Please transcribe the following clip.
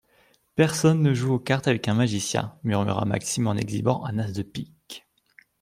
Personne ne joue aux cartes avec un magicien, murmura Maxime en exhibant un as de pique.